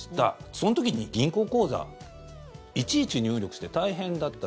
その時に銀行口座いちいち入力して大変だった。